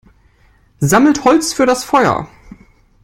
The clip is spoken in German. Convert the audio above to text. Sammelt Holz für das Feuer!